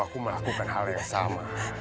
aku melakukan hal yang sama